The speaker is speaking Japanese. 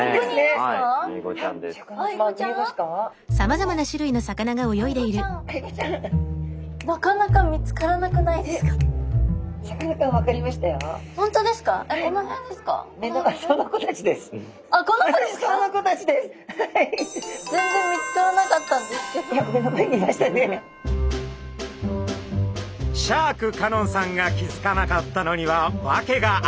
シャーク香音さんが気付かなかったのには訳があります。